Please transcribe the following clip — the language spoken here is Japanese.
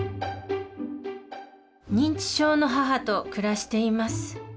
認知症の母と暮らしています。